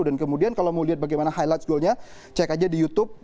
dan kemudian kalau mau lihat bagaimana highlights golnya cek aja di youtube